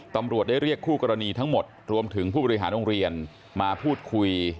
ตำรวจได้เรียกคู่กรณีทั้งหมดรวมถึงผู้บริหารโรงเรียนมาพูดคุย